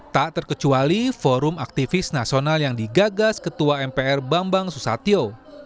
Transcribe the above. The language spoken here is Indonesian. tak terkecuali forum aktivis nasional yang digagas ketua mpr bambang susatyo